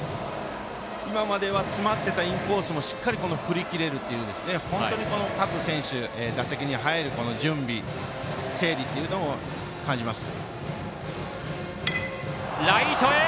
今までは詰まってたインコースもしっかり振り切れるという本当に各選手、打席に入る準備整理というのも感じます。